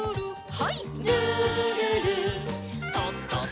はい。